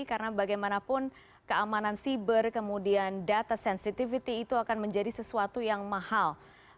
karena bagaimanapun keamanan siber kemudian data sensitivity itu akan menjadi sesuatu yang mahal